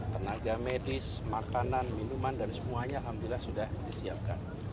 tenaga medis makanan minuman dan semuanya alhamdulillah sudah disiapkan